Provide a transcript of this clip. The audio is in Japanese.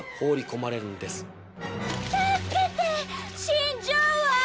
死んじゃうわ！